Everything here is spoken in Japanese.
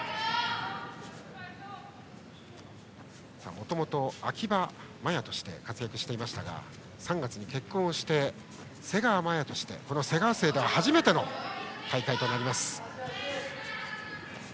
もともと、秋場麻優として活躍していましたが３月に結婚をして瀬川麻優として瀬川姓では初めての大会。